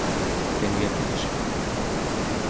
Ça lui a coûté cher.